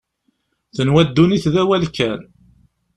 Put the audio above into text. Tenwa ddunit d awal kan.